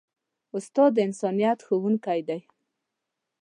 استاد د انسانیت ښوونکی دی.